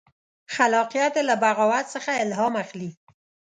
خلاقیت یې له بغاوت څخه الهام اخلي.